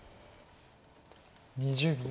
２０秒。